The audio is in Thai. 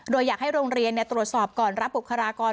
โดยอยากให้โรงเรียนตรวจสอบก่อนรับบุคลากร